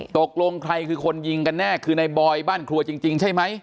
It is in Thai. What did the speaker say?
ตกลงใครคือคนยิงกันแน่คือในบอยบ้านครัวจริงใช่ไหม